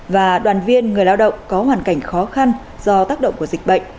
và đoàn viên người lao động có hoàn cảnh khó khăn do tác động của dịch bệnh